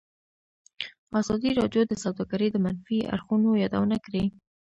ازادي راډیو د سوداګري د منفي اړخونو یادونه کړې.